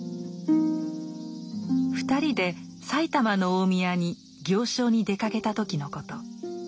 ２人で埼玉の大宮に行商に出かけた時のこと。